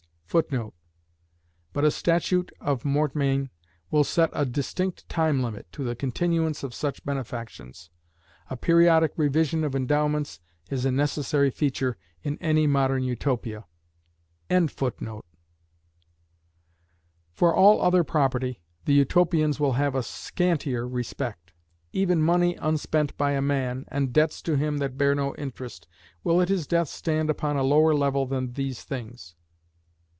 [Footnote: But a Statute of Mortmain will set a distinct time limit to the continuance of such benefactions. A periodic revision of endowments is a necessary feature in any modern Utopia.] For all other property, the Utopians will have a scantier respect; even money unspent by a man, and debts to him that bear no interest, will at his death stand upon a lower level than these things.